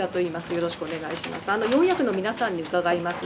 よろしくお願いします。